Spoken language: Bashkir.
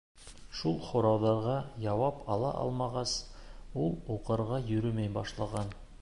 Шул һорауҙарға яуап ала алмағас, ул уҡырға йөрөмәй башлаған.